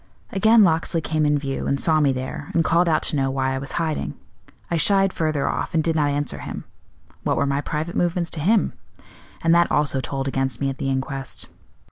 Again Locksley came in view and saw me there, and called out to know why I was hiding. I shied further off, and did not answer him what were my private movements to him? and that also told against me at the inquest.